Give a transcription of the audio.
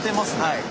はい。